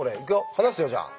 離すよじゃあ。